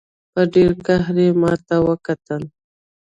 په ډېر قهر یې ماته وکتل.